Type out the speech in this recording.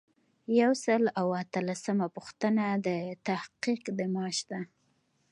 یو سل او اتلسمه پوښتنه د تحقیق د معاش ده.